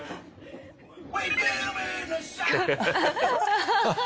アハハハ。